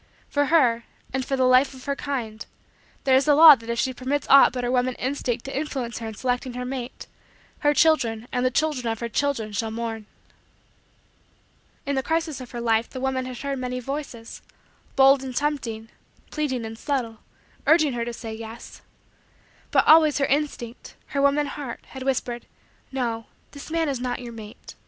For her, and for the Life of her kind, there is the law that if she permits aught but her woman instinct to influence her in selecting her mate her children and the children of her children shall mourn. In the crisis of her life the woman had heard many voices bold and tempting, pleading and subtle urging her to say: "Yes." But always her instinct her woman heart had whispered: "No. This man is not your mate.